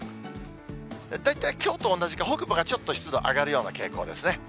大体きょうと同じか、北部がちょっと湿度上がるような傾向ですね。